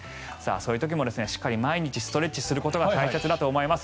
そういうときもしっかり毎日ストレッチすることが大切だと思います。